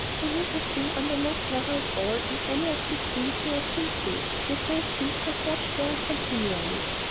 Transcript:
You need have been under no terror at all in any of the scenes you have been through. Your safety was watched for continually."